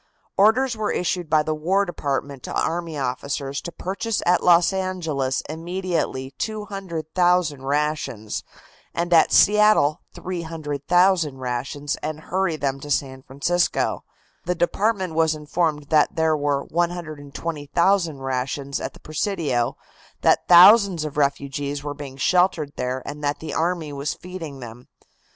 Orders were issued by the War Department to army officers to purchase at Los Angeles immediately 200,000 rations and at Seattle 300,000 rations and hurry them to San Francisco. The department was informed that there were 120,000 rations at the Presidio, that thousands of refugees were being sheltered there and that the army was feeding them.